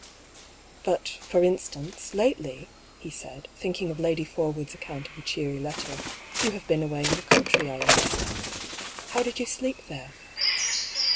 "But, for instance, lately," he said, thinking of Lady Forwood's account of a cheery letter, " you have been away in the country, I understand. How did you sleep there